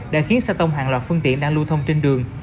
đã khiến xe tông hàng loạt phương tiện đang lưu thông trên đường